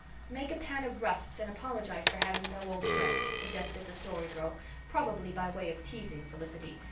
"Make a pan of rusks and apologize for having no old bread," suggested the Story Girl, probably by way of teasing Felicity.